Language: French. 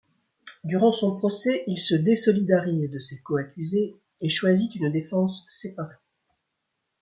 Durant son procès, il se désolidarise de ses coaccusés et choisit une défense séparée.